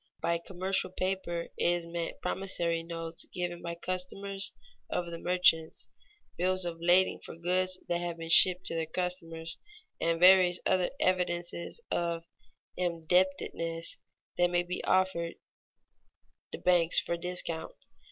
_ By commercial paper is meant promissory notes given by customers of the merchants, bills of lading for goods that have been shipped to their customers, and various other evidences of indebtedness that may be offered the banks for discount.